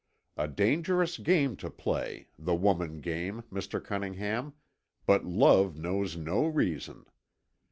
A dangerous game to play, the woman game, Mr. Cunningham, but love knows no reason.